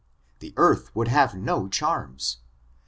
The earth would have no charms.